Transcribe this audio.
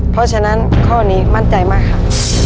เพราะฉะนั้นข้อนี้มั่นใจมากค่ะ